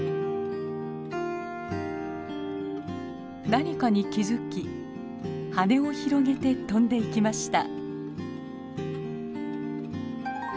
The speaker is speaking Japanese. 何かに気付き羽を広げて飛んでいきました。